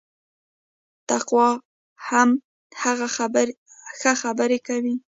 تقوا هم ښه خبري کوي